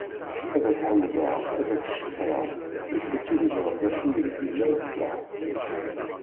Ad ak-ḥemmdeγ ad ak-cekkreγ d kečč i yeẓran d acu ideg yella leṣlaḥ.